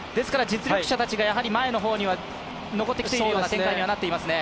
実力者たちが前の方には残ってきている展開になってますね。